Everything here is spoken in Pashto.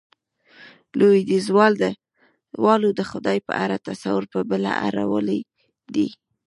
لوېديځوالو د خدای په اړه تصور، په بله اړولی دی.